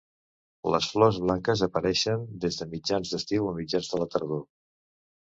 Les flors blanques apareixen des de mitjans d'estiu a mitjans de la tardor.